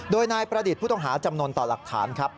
โดยนายประดิษฐ์ผู้ต้องหาจำนวนต่อหลักฐานครับ